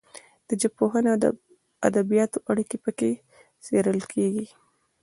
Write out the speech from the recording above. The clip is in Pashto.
د ژبپوهنې او ادبیاتو اړیکې پکې څیړل کیږي.